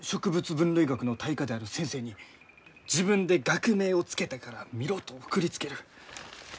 分類学の大家である先生に「自分で学名を付けたから見ろ」と送りつける。